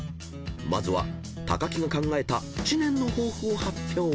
［まずは木が考えた知念の抱負を発表］